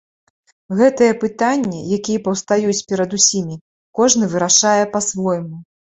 Гэтыя пытанні, якія паўстаюць перад усімі, кожны вырашае па-свойму.